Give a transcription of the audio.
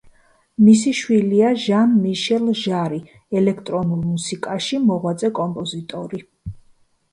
მისი შვილია ჟან-მიშელ ჟარი, ელექტრონულ მუსიკაში მოღვაწე კომპოზიტორი.